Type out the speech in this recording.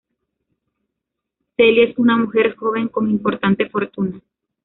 Celia es una mujer joven con importante fortuna.